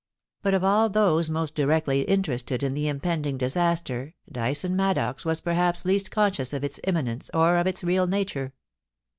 But of all those mcst directly interested in the impending disaster Dyson Maddox was perhaps least conscious of its imminence or of its real nature.